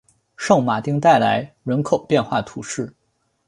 圣马丁代来人口变化图示